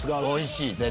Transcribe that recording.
おいしい！